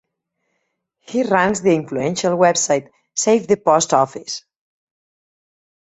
He runs the influential website "Save the Post Office".